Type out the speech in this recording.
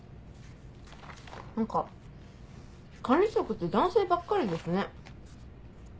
何か管理職って男性ばっかりですね。